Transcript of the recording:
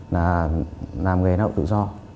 làm nghề nạo tự do